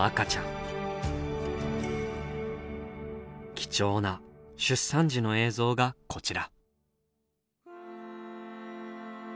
貴重な出産時の映像がこちら。